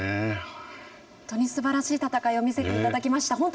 本当にすばらしい戦いを見せていただきました。